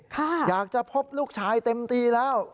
อยากจะพบลูกชายเต็มทีแล้ว